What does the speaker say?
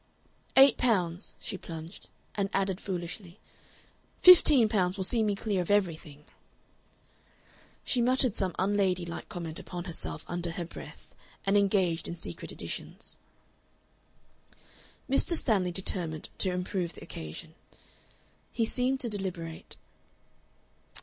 "Eight pounds," she plunged, and added foolishly, "fifteen pounds will see me clear of everything." She muttered some unlady like comment upon herself under her breath and engaged in secret additions. Mr. Stanley determined to improve the occasion. He seemed to deliberate.